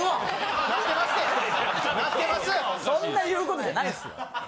そんな言うことじゃないですよ。